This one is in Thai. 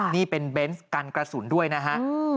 นี่เป็นเบนส์กันกระสุนด้วยนะฮะ